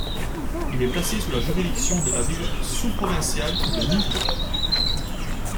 Il est placé sous la juridiction de la ville sous-provinciale de Ningbo.